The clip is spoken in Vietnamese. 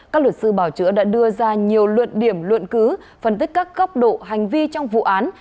các luật sư bảo chữa đã đưa ra nhiều luận điểm luận cứ phân tích các góc độ hành vi trong vụ án